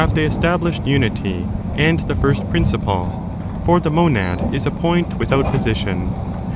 381 they established unity, and the first principle ; for the monad is a point without position.